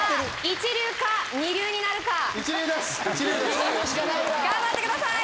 一流か二流になるか一流しかないわ頑張ってください